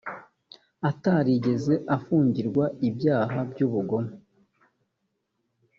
atarigeze afungirwa ibyaha by ubugome